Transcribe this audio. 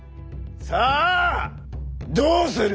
さあどうする？